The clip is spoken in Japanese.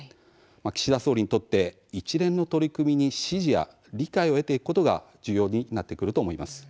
岸田総理にとって一連の取り組みに支持や理解を得ていくことが重要になってくると思います。